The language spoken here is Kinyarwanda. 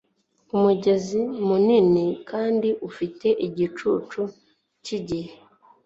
Umugezi munini kandi ufite igicucu cyigihe